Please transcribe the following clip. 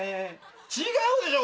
違うでしょ